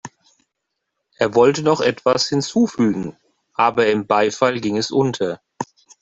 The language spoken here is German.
Er wollte noch etwas hinzufügen, aber im Beifall ging es unter.